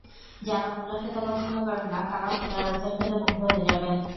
যারা মুলা খেতে পছন্দ করেন না, তারাও মুলার আচার খেলে মুগ্ধ হয়ে যাবেন।